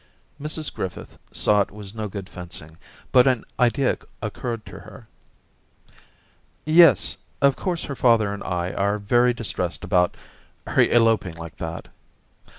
Mrs Griffith saw it was no good fencing, but an idea occurred to her. * Yes, of course her father and I are very distressed about — her eloping like that.'